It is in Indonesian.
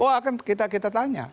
oh akan kita tanya